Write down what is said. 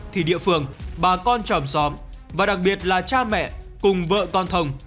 thì địa phương bà con tròm xóm và đặc biệt là cha mẹ cùng vợ con thồng